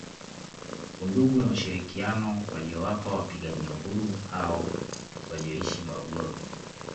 Undugu na ushirikiano waliowapa wapigania Uhuru hao walioishi Morogoro